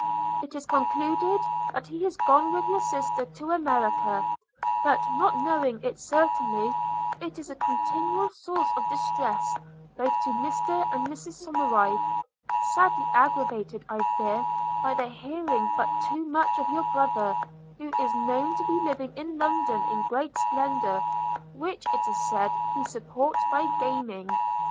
It is concluded that he is gone with your sister to America; but not knowing it certainly, is a continual source of distress both to Mr and Mrs Somerive; sadly aggravated, I fear, by their hearing but too much of your brother, who is known to be living in London in great splendour, which it is said he supports by gaming.